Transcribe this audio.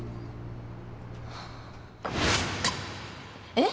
えっ？